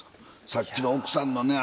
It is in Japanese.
さっきの奥さんのね